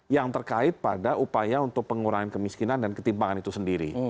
yang terkait pada upaya untuk pengurangan kemiskinan dan ketimpangan itu sendiri